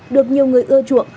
được nhiều người ưa chuộng